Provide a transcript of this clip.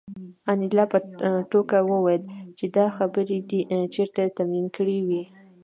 انیلا په ټوکه وویل چې دا خبرې دې چېرته تمرین کړې وې